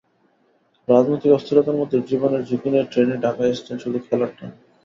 রাজনৈতিক অস্থিরতার মধ্যেও জীবনের ঝুঁকি নিয়ে ট্রেনে ঢাকায় এসেছেন শুধু খেলার টানে।